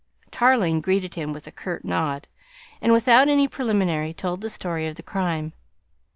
Tarling greeted him with a curt nod, and without any preliminary told the story of the crime.